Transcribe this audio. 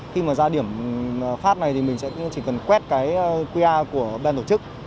khi mà ra điểm phát này thì mình chỉ cần quét cái qr của bên tổ chức